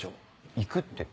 行くって？